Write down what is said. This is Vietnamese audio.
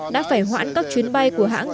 đã phải hoãn các chuyến bay của hãng